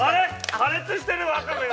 破裂してる、ワカメが。